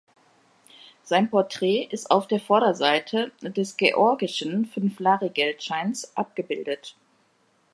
Sein Porträt ist auf der Vorderseite des georgischen Fünf-Lari-Geldscheins abgebildet.